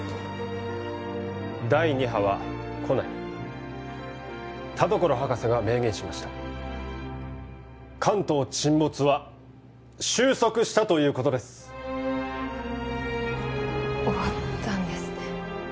第二波は来ない田所博士が明言しました関東沈没は終息したということです終わったんですね